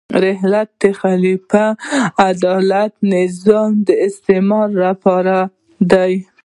رحلت، خلیفه، عدالت، نظام د استعمال لپاره دي.